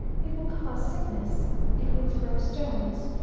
It will cause sickness. It will throw stones.